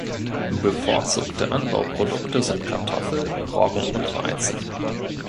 Bevorzugte Anbauprodukte sind Kartoffel, Roggen und Weizen.